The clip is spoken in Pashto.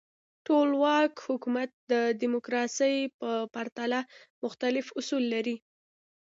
ټولواک حکومت د دموکراسۍ په پرتله مختلف اصول لري.